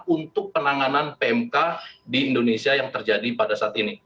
untuk penanganan pmk di indonesia yang terjadi pada saat ini